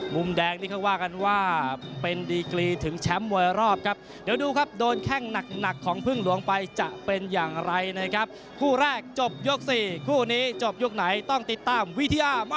มุมนับมีนับมีหลับเผ่นเอาไว้เลย๓๐๐๐บาทกับ๒คมเหลือเกินนะครับ